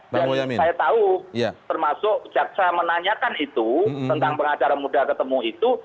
jadi saya tahu termasuk jaksa menanyakan itu tentang pengacara muda ketemu itu